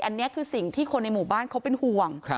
อันนี้คือสิ่งที่คนในหมู่บ้านเขาเป็นห่วง